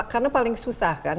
karena paling susah kan